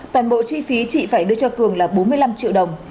toàn bộ chi phí chị phải đưa cho cường là bốn mươi năm triệu đồng